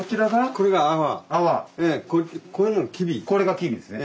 これがきびですね。